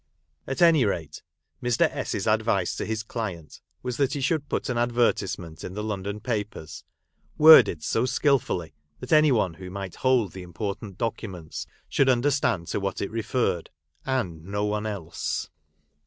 At any rate, Mr. S s advice to his client was that he should put an 250 HOUSEHOLD WORDS. [Conducted by advertisement in the London papers, worded so skilfully that any one who might hold the important documents should understand to what it referred, and no one else.